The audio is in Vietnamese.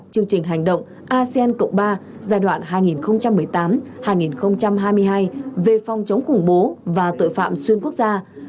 chương trình hành động asean cộng ba giai đoạn hai nghìn một mươi tám hai nghìn hai mươi hai về phòng chống khủng bố và tội phạm xuyên quốc gia